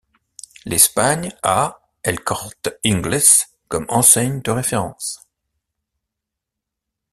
L'Espagne a El Corte Inglés comme enseigne de référence.